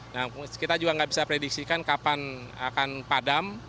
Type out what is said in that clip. nah kita juga nggak bisa prediksikan kapan akan padam